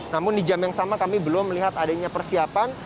namun di jam yang sama kami belum melihat adanya persiapan